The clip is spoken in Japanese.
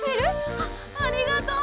あっありがとう！